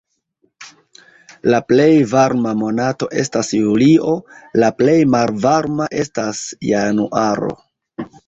La plej varma monato estas julio, la plej malvarma estas januaro.